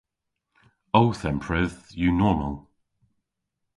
Ow thempredh yw normal.